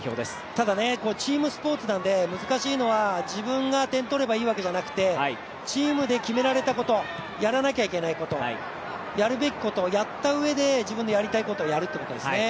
ただチームスポーツなんで難しいのは自分が点取ればいいわけじゃなくて、チームで決められたことやらなきゃいけないことやるべきことをやったうえで自分のやりたいことをやるということですね。